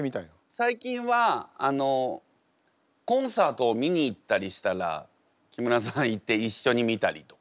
最近はコンサートを見に行ったりしたら木村さんいて一緒に見たりとか。